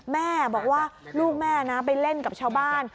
แม่บอกว่าลูกแม่นะไปเล่นกับชาวบ้าน